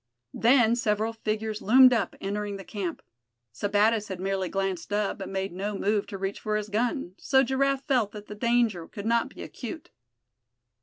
Then several figures loomed up, entering the camp. Sebattis had merely glanced up, but made no move to reach for his gun; so Giraffe felt that the danger could not be acute.